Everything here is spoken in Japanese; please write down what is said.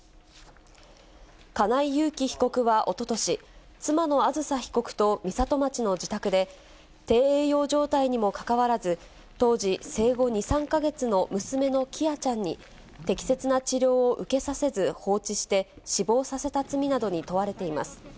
金井裕喜被告はおととし、妻のあずさ被告と美里町の自宅で、低栄養状態にもかかわらず、当時、生後２、３か月の娘の喜空ちゃんに、適切な治療を受けさせず放置して、死亡させた罪などに問われています。